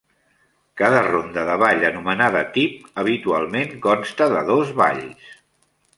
Cada ronda de ball, anomenada "tip", habitualment consta de dos balls.